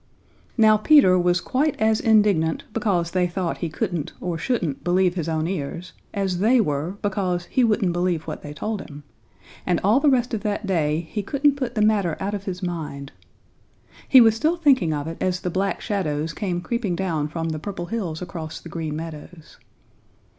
Now Peter was quite as indignant because they thought he couldn't or shouldn't believe his own ears, as they were because he wouldn't believe what they told him, and all the rest of that day he couldn't put the matter out of his mind. He was still thinking of it as the Black Shadows came creeping down from the Purple Hills across the Green Meadows.